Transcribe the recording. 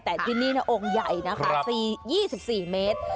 แต่ที่นี่องค์ใหญ่นะคะ๒๔เมตร